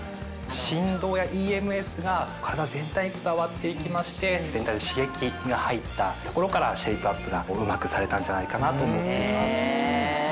振動やＥＭＳが体全体に伝わって行きまして全体に刺激が入ったところからシェイプアップがうまくされたんじゃないかなと思っています。